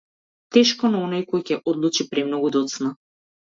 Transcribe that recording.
Тешко на оној кој ќе се одлучи премногу доцна.